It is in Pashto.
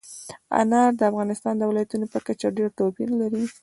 انار د افغانستان د ولایاتو په کچه ډېر توپیر لري.